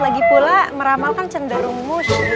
lagipula meramalkan cenderung musuh